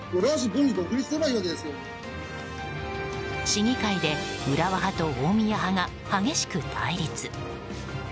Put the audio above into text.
市議会で浦和派と大宮派が激しく対立。